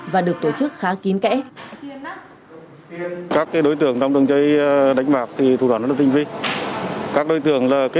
và được tổ chức khá kín kẽ